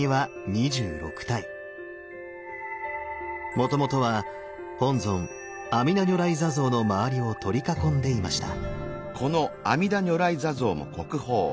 もともとは本尊阿弥陀如来坐像の周りを取り囲んでいました。